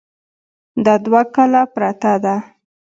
دا دوه کاله پرته ده.